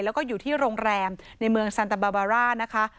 แล้วก็อยู่ที่โรงแรมในเมืองซันตาบาบาร่านะคะ